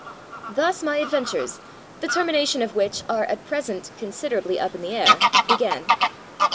Thus my adventures, the termination of which are at present considerably up in the air, began.